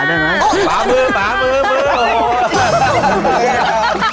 คุณเรียกป่าได้ไหม